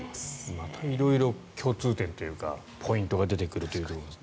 また色々共通点というかポイントが出てくるというところです。